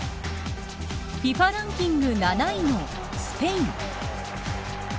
ＦＩＦＡランキング７位のスペイン。